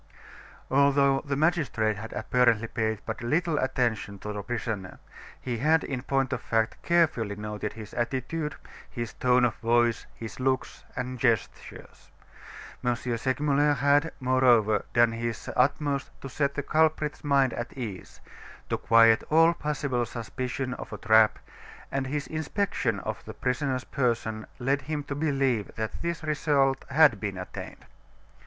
Although the magistrate had apparently paid but little attention to the prisoner, he had in point of fact carefully noted his attitude, his tone of voice, his looks and gestures. M. Segmuller had, moreover, done his utmost to set the culprit's mind at ease, to quiet all possible suspicion of a trap, and his inspection of the prisoner's person led him to believe that this result had been attained.